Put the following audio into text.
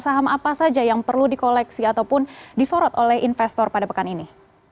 saham apa saja yang perlu dikoleksi ataupun disorot oleh investor pada pekan ini